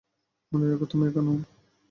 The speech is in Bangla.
মনে রেখ, তুমি একা নও।